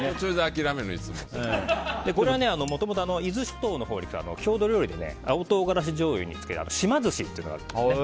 もともと伊豆諸島のほうでは郷土料理で青唐辛子じょうゆに漬ける島寿司っていうのがあるんですね。